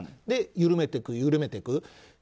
で、緩めてく、緩めてく。